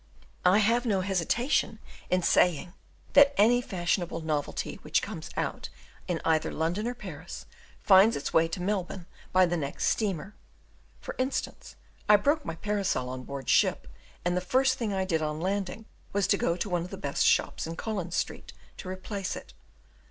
I have no hesitation in saying, that any fashionable novelty which comes out in either London or Paris finds its way to Melbourne by the next steamer; for instance, I broke my parasol on board ship, and the first thing I did on landing was to go to one of the best shops in Collins Street to replace it.